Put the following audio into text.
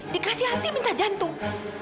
dikasih hati minta jantung